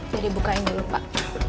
dede bukain dulu pak